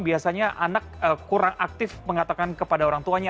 biasanya anak kurang aktif mengatakan kepada orang tuanya